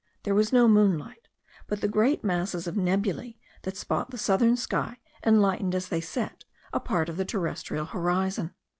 There was no moonlight; but the great masses of nebulae that spot the southern sky enlighten, as they set, a part of the terrestrial horizon.